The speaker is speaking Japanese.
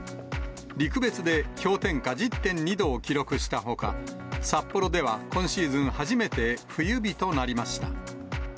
陸別で氷点下１０．２度を記録したほか、札幌では今シーズン初めて冬日となりました。